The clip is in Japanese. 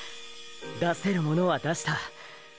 出せるものは出した。